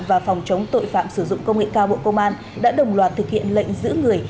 và phòng chống tội phạm sử dụng công nghệ cao bộ công an đã đồng loạt thực hiện lệnh giữ người